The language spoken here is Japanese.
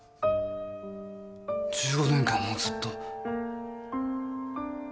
１５年間もずっと。